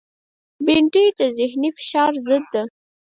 بېنډۍ د ذهنی فشار ضد ده